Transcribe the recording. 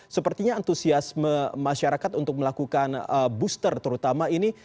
sepertinya antusiasme masyarakat untuk melakukan booster terutama ini